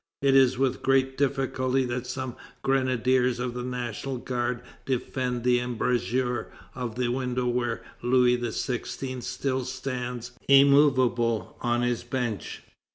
It is with great difficulty that some grenadiers of the National Guard defend the embrasure of the window where Louis XVI. still stands immovable on his bench.